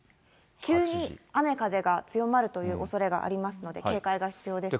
急に雨、風が強まるというおそれがありますので、警戒が必要です。